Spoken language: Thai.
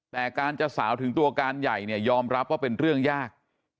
แต่การจะสาวถึงตัวการใหญ่เนี่ยยอมรับว่าเป็นเรื่องยาก